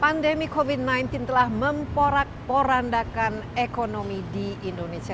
pandemi covid sembilan belas telah memporak porandakan ekonomi di indonesia